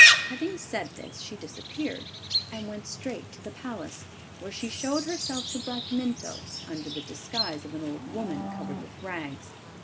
Having said this, she disappeared, and went straight to the Palace, where she showed herself to Bramintho under the disguise of an old woman covered with rags.